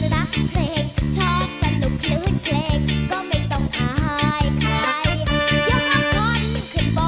ยกก่อนคุณบอกลงน้ำ